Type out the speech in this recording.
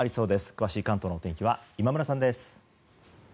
詳しい関東のお天気は今村さんです。